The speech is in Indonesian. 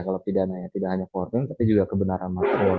kalau tidak hanya forging tapi juga kebenaran materil